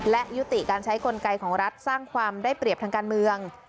และยุติการใช้กลไกของรัฐสร้างความได้เปรียบทางการเมือง